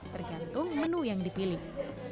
tergantung menu yang dipilih